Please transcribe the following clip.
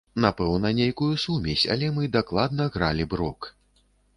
Напэўна, нейкую сумесь, але мы дакладна гралі б рок!